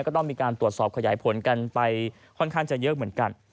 ก็ต้องมีการตรวจสอบขยายผลกันไปค่อนข้างจะเยอะเหมือนกัน